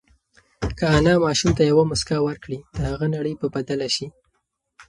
که انا ماشوم ته یوه مسکا ورکړي، د هغه نړۍ به بدله شي.